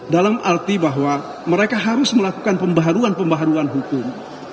dalam arti bahwa mereka harus melakukan pembaharuan pembaharuan hukum